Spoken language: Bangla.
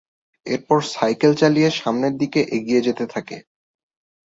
এরপর সাইকেল চালিয়ে সামনের দিকে এগিয়ে যেতে থাকে।